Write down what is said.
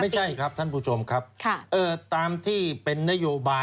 ไม่ใช่ครับท่านผู้ชมครับ